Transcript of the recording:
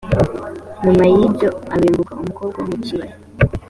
nyuma y’ibyo abenguka umukobwa wo mu kibaya